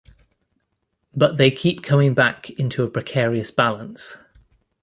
But they keep coming back into a precarious balance.